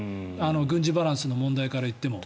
軍事バランスの問題から言っても。